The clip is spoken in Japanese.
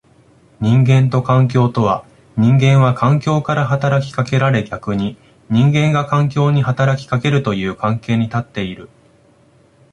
人間と環境とは、人間は環境から働きかけられ逆に人間が環境に働きかけるという関係に立っている。